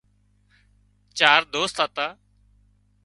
چار دوست هتا